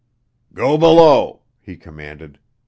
"Go below," he commanded.